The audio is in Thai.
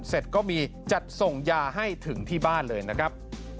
เสร็จก็มีจัดส่งยาให้ถึงที่บ้านเลยนะครับ